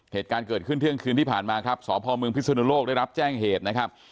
เหตุการณ์เกิดขึ้นเที่ยงคืนที่ผ่านมาครับสพเมืองพิศนุโลกได้รับแจ้งเหตุนะครับ